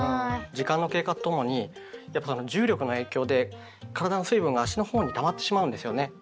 時間の経過と共に重力の影響で体の水分が足のほうにたまってしまうんですよね。